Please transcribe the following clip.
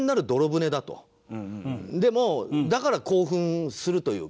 でもだから興奮するというか。